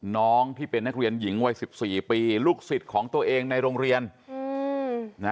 น้องที่เป็นนักเรียนหญิงวัย๑๔ปีลูกศิษย์ของตัวเองในโรงเรียน